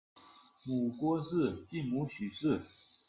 母郭氏；继母许氏。